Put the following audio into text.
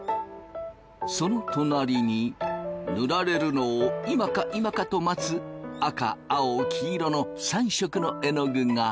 その隣に塗られるのを今か今かと待つ赤青黄色の３色のえのぐがいた。